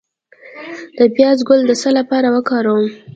د پیاز ګل د څه لپاره وکاروم؟